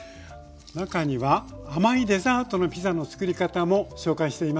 中には甘いデザートのピザのつくり方も紹介しています。